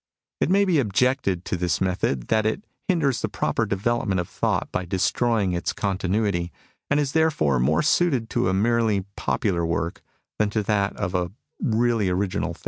It may be objected to this method that it hinders the proper development of thought by destroying its con tinuity, and is therefore more suited to a merely popular work than to that of a really original * Seep.